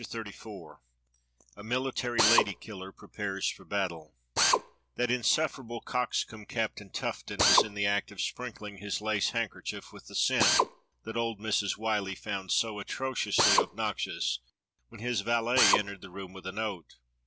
CHAPTER XXXIV A MILITARY LADY KILLER PREPARES FOR BATTLE THAT insufferable coxcomb Captain Tuffton was in the act of sprinkling his lace handkerchief with the scent that old ]Mrs. Whyllie found so atrociously obnoxious when his valet entered the room with a note.